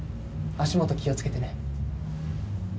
足元気をつけてね。